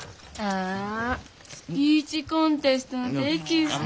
スピーチコンテストのテキスト。